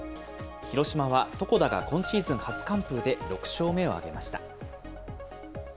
広島は床田が今シーズン初完封で６勝目を挙げました。